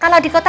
kalau di kota